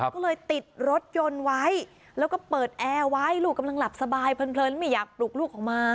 ก็เลยติดรถยนต์ไว้แล้วก็เปิดแอร์ไว้ลูกกำลังหลับสบายเพลินไม่อยากปลุกลูกออกมา